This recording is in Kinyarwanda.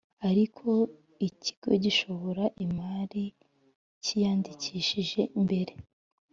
Ariko ikigo gishora imari cyiyandikishije mbere